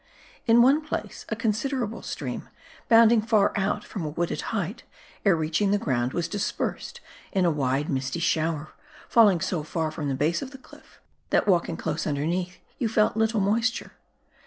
In one place, a considerable stream, bounding far out from a wooded height,' ere reaching the ground was dis persed in a wide misty shower, falling so far from the hase of the cliff, that walking close underneath, you felt little moisture.